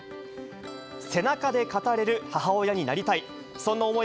背中で語れる母親になりたい。